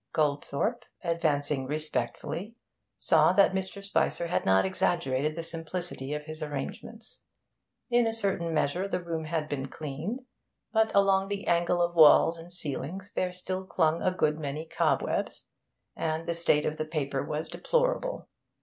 Goldthorpe, advancing respectfully, saw that Mr. Spicer had not exaggerated the simplicity of his arrangements. In a certain measure the room had been cleaned, but along the angle of walls and ceiling there still clung a good many cobwebs, and the state of the paper was deplorable.